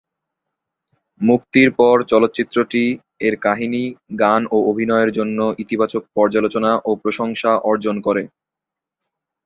মুক্তির পর চলচ্চিত্রটি এর কাহিনি, গান ও অভিনয়ের জন্য ইতিবাচক পর্যালোচনা ও প্রশংসা অর্জন করে।